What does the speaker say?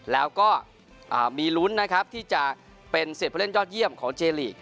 แล้วก็มีลุ้นที่จะเป็นเศรษฐ์เพื่อเล่นยอดเยี่ยมของเจลี่